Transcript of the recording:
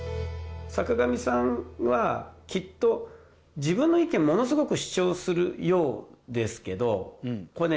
坂上さんはきっと自分の意見をものすごく主張するようですけどこれね